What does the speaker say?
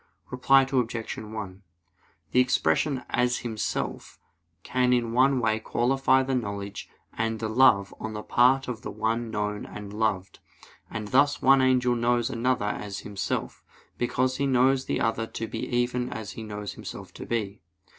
Reply Obj. 1: The expression 'as himself' can in one way qualify the knowledge and the love on the part of the one known and loved: and thus one angel knows another as himself, because he knows the other to be even as he knows himself to be.